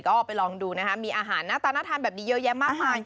ก็ไปลองดูนะคะมีอาหารหน้าตาน่าทานแบบนี้เยอะแยะมากมาย